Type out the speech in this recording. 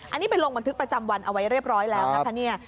อันนี้ไปลงบันทึกประจำวันเอาไว้เรียบร้อยแล้วนะคะเนี่ย